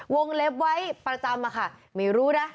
วงเล็บไว้ประจำอะค่ะไม่รู้นะ